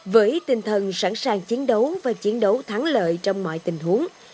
với tinh thần sẵn sàng chiến đấu và chiến đấu thắng lợi trong mọi tình huống